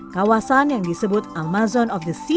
kawasan yang disebut amazon of the sea